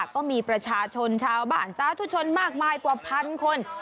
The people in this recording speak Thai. ก็มีประชาชนชาวบ้านสาธุชนมากมายกว่าพันคน